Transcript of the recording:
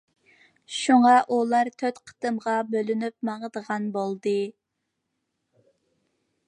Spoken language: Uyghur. شۇڭا، ئۇلار تۆت قېتىمغا بۆلۈنۈپ ماڭىدىغان بولدى.